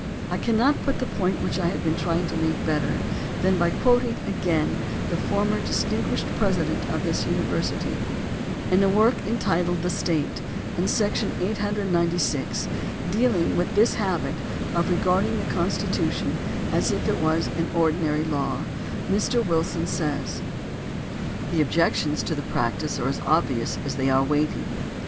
I cannot put the point which I have been trying to make better than by quoting again the former distinguished president of this university. In a work entitled The State, in sec tion 896, dealing with this habit of regarding the Con stitution as if it was an ordinary law, Mr. Wilson says : AND THE RECALL OF JUDGES 93 The objections to the practice are as obvious as they are weighty.